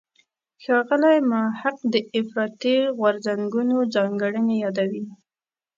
ښاغلی محق د افراطي غورځنګونو ځانګړنې یادوي.